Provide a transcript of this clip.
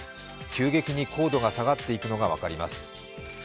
急激に高度が下がっていくのが分かります。